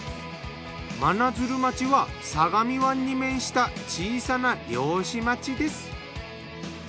真鶴町は相模湾に面した小さな漁師町です。